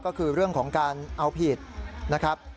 ก็คือเรื่องของการเอาผิดนะครับ